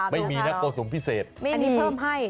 ไม่มีนะโกสุมพิเศษอันนี้เพิ่มให้